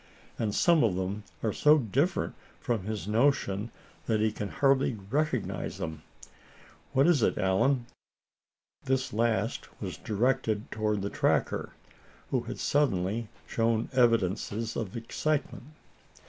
And some of them are so different from his notion that he can hardly recognize 'em. What is it, Allan?" This last was directed toward the tracker, who had suddenly shown evidences of excitement.